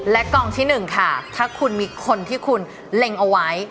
และกองที่๑ค่ะถ้าคุณมีคนที่คุณเล็งเอาไว้